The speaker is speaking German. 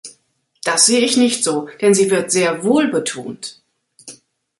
Das sehe ich nicht so, denn sie wird sehr wohl betont.